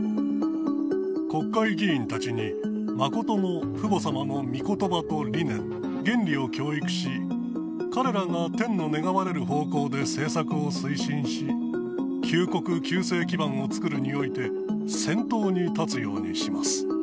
国会議員たちに真の父母様のみことばと理念、原理を教育し、彼らが天の願われる方向で政策を推進し、救国救世基盤を造るにおいて、先頭に立つようにします。